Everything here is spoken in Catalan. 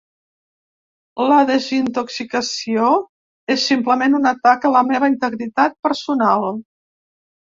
La ‘Desintoxicació’ és simplement un atac a la meva integritat personal.